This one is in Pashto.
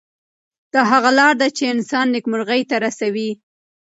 دا هغه لار ده چې انسان نیکمرغۍ ته رسوي.